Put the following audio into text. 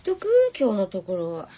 今日のところは。